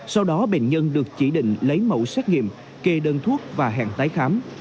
sau đó bệnh nhân được chỉ định lấy mẫu xét nghiệm kê đơn thuốc và hẹn tái khám